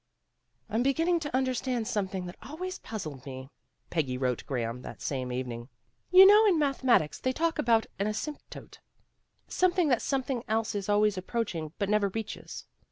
"I'm beginning to understand something that always puzzled me, '' Peggy wrote Graham, that same evening. "You know in mathe matics they talk about an asymptote, some thing that something else is always approach ing, but never reaches.